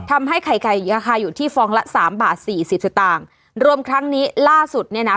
ทำให้ไข่ไก่ราคาอยู่ที่ฟองละสามบาทสี่สิบสตางค์รวมครั้งนี้ล่าสุดเนี่ยนะ